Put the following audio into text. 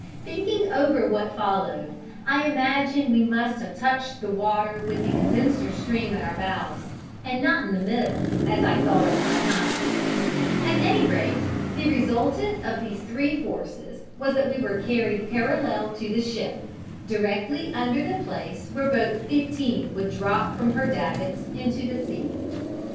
Thinking over what followed, I imagine we must have touched the water with the condenser stream at our bows, and not in the middle as I thought at one time: at any rate, the resultant of these three forces was that we were carried parallel to the ship, directly under the place where boat 15 would drop from her davits into the sea.